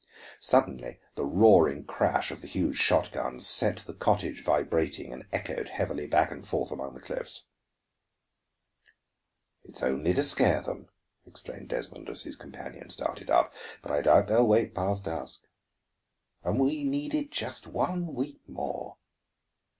Suddenly the roaring crash of the huge shotgun set the cottage vibrating, and echoed heavily back and forth among the cliffs. "It's only to scare them," explained Desmond, as his companion started up. "But I doubt they will wait past dusk. And we needed just one week more!"